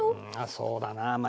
そうだなあ。